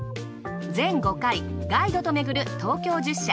全５回ガイドと巡る東京十社。